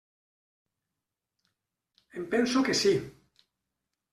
Em penso que sí.